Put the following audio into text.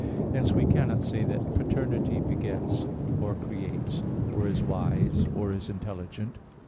Hence we cannot say that paternity begets, or creates, or is wise, or is intelligent.